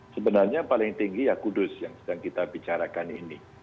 sebenarnya paling tinggi ya kudus yang sedang kita bicarakan ini